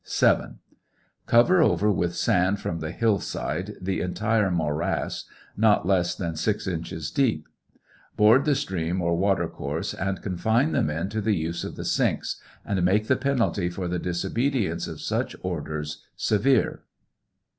7. Cover over with sand from the hill side, the entire morass, not less than six inches deep, board the stream or water course, and confine the men to the use of the sinks, and make the penilty for the disobedience of such orders severe.